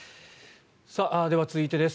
では、続いてです。